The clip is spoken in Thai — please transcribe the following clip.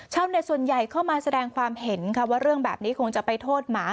ส่วนใหญ่เข้ามาแสดงความเห็นค่ะว่าเรื่องแบบนี้คงจะไปโทษหมา